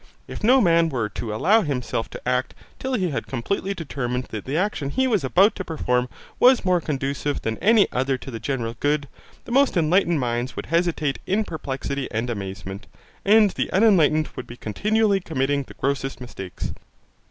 If no man were to allow himself to act till he had completely determined that the action he was about to perform was more conducive than any other to the general good, the most enlightened minds would hesitate in perplexity and amazement; and the unenlightened would be continually committing the grossest mistakes.